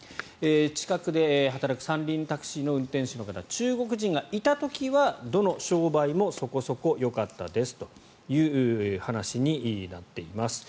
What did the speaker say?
近くで働く三輪タクシーの運転手の方中国人がいた時は、どの商売もそこそこよかったですという話になっています。